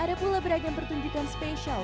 ada pula beragam pertunjukan spesial